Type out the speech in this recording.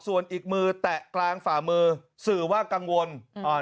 ส่วนอีกมือแตะกลางฝ่ามือสื่อว่ากังวลอ่า